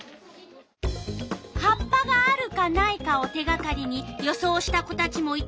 葉っぱがあるかないかを手がかりに予想した子たちもいたよ。